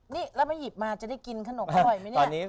นี่แล้วไม่หยิบมาจะได้กินขนมอร่อยไหมเนี่ย